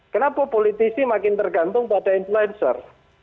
kenapa politisi makin tergantung pada influencer